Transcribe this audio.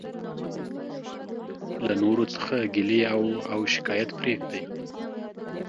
له نورو څخه ګيلي او او شکايت پريږدٸ.